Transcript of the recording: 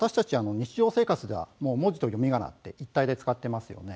日常生活では文字と読みがなは一体で使っていますよね。